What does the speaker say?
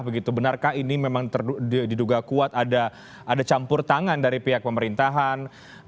begitu benarkah ini memang diduga kuat ada campur tangan dari pihak pemerintahan